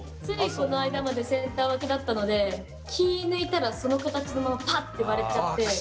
ついこの間までセンター分けだったので気抜いたらその形のままパッて割れちゃって。